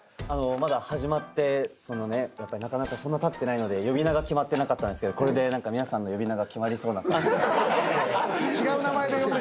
まだ始まってそんなたってないので呼び名が決まってなかったんですけどこれで皆さんの呼び名が決まりそうな感じが。